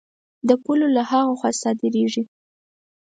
د پولو له هغه خوا صادرېږي.